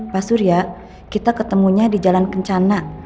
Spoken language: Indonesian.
pak surya kita ketemunya di jalan kencana